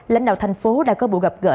lãnh đạo thành phố đã có bộ gặp gỡ